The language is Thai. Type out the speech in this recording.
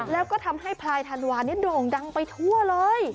แล้วก็ทำให้พลายธันวาเนี่ยโด่งดังไปทั่วเลย